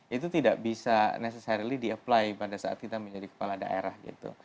itu tidak bisa neces harley di apply pada saat kita menjadi kepala daerah gitu